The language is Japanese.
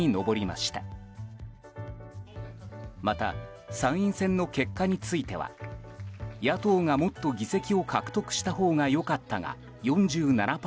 また、参院選の結果については野党がもっと議席を獲得したほうが良かったが４７％。